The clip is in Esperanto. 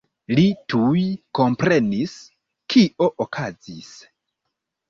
Li tuj komprenis, kio okazis.